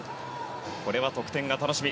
これは得点が楽しみ。